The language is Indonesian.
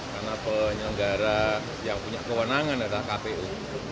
karena penyelenggara yang punya kewenangan adalah kpu